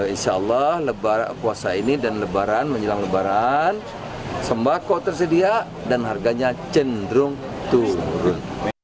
insya allah kuasa ini dan lebaran menjelang lebaran sembah kok tersedia dan harganya cenderung turun